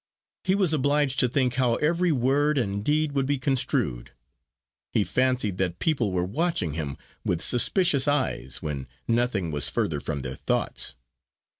He was obliged to think how every word and deed would be construed. He fancied that people were watching him with suspicious eyes, when nothing was further from their thoughts.